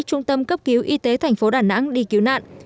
trung tâm cấp cứu y tế tp đà nẵng đi cứu nạn